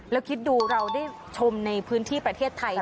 แล้วคิดดูเราได้ชมในพื้นที่ประเทศไทย